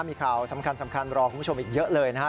มีข่าวสำคัญรอคุณผู้ชมอีกเยอะเลยนะฮะ